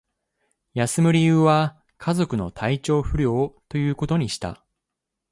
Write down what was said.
休む理由は、家族の体調不良ということにした